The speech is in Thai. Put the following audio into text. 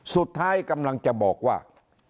สุดท้ายกำลังจะบอกว่า